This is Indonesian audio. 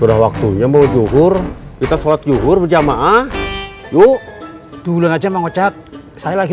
sudah waktunya mau juhur kita sholat yukur berjamaah yuk dulu aja mau cat saya lagi